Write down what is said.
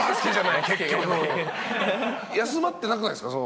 休まってなくないですか？